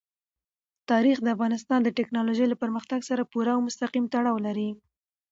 تاریخ د افغانستان د تکنالوژۍ له پرمختګ سره پوره او مستقیم تړاو لري.